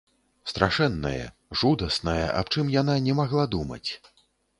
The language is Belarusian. Страшэннае, жудаснае, аб чым яна не магла думаць.